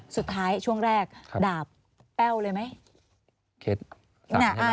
สุดท้ายช่วงแรกดาบเป้าเลยไหม